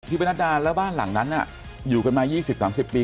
ประนัดดาแล้วบ้านหลังนั้นอยู่กันมา๒๐๓๐ปี